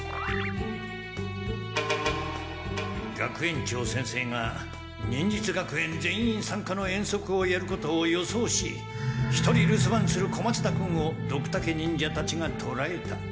学園長先生が忍術学園全員さんかの遠足をやることを予想し一人留守番する小松田君をドクタケ忍者たちがとらえた。